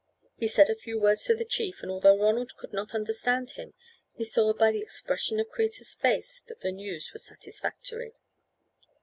He said a few words to the chief, and although Ronald could not understand him he saw by the expression of Kreta's face that the news was satisfactory.